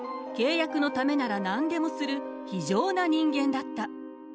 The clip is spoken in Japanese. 契約のためなら何でもする非情な人間だった。